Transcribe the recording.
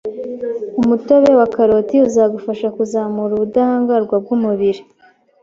umutobe wa karoti uzagufasha kuzamura ubudahangarwa bw’umubiri